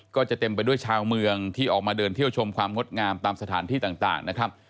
เต็มไปด้วยชาวเมืองที่ออกมาเดินเที่ยวชมความงดงามตามสถานที่ต่างนะครับ